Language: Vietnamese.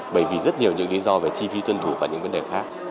bởi vì rất nhiều những lý do về chi phí tuân thủ và những vấn đề khác